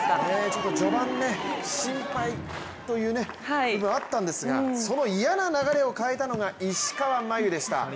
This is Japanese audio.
ちょっと序盤心配というのがあったんですがその嫌な流れを変えたのが石川真佑でした。